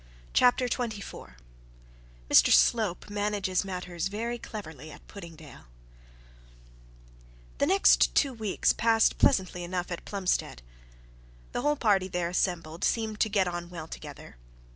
CHAPTER XXIV MR SLOPE'S MANAGES MATTERS VERY CLEVERLY AT PUDDINGDALE The next two weeks passed pleasantly enough at Plumstead. The whole party there assembled seemed to get on well together.